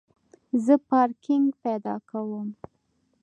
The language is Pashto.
زه پارکینګ پیدا کوم